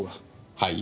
はい？